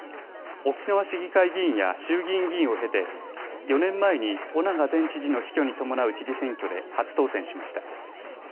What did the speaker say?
沖縄市議会議員や衆議院議員を経て、４年前に翁長前知事の死去に伴う知事選挙で初当選しました。